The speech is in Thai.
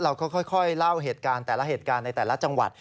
เราก็ค่อยเล่าเหตุการณ์แต่ละเหตุการณ์ในแต่ละจังหวัด